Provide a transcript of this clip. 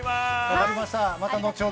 分かりました。